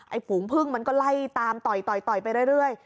ไอ้ผูมพึ่งมันก็ไล่ตามต่อยไปเรื่อย